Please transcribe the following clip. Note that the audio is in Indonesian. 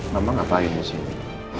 mama ngapain di sini